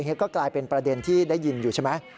ก็กลายเป็นประเด็นที่ได้ยินอยู่ใช่ไหม